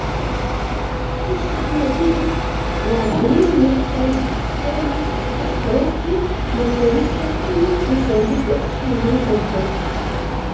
Ŝi submetiĝis bravuline, kaj ĝojis preskaŭ pri malfeliĉo, kiu pligrandigos ŝian doton.